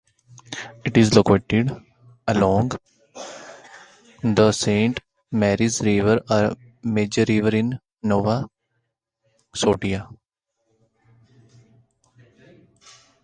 It is located along the Saint Mary's River, a major river in Nova Scotia.